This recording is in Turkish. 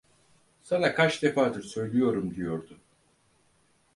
Sana kaç defadır söylüyorum diyordu.